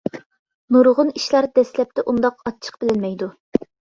نۇرغۇن ئىشلار دەسلەپتە ئۇنداق ئاچچىق بىلىنمەيدۇ.